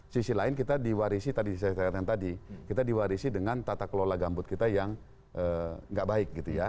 sisi lain kita diwarisi tadi saya katakan tadi kita diwarisi dengan tata kelola gambut kita yang nggak baik gitu ya